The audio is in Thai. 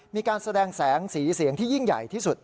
มีการแสดงแสงสีเสียงที่ยิ่งใหญ่ที่สุด